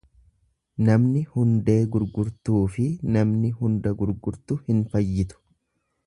Namni hundee gurgurtuufi namni hunda gurgurtu hin fayyitu.